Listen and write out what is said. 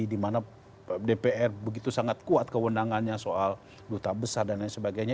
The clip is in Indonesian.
dimana dpr begitu sangat kuat kewenangannya soal duta besar dan lain sebagainya